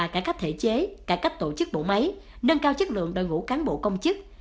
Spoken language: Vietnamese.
cải cách thể chế cải cách tổ chức bộ máy nâng cao chất lượng đội ngũ cán bộ công chức